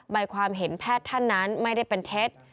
ใบความเห็นแพทย์ท่านนั้นไม่ได้เป็นเท็จ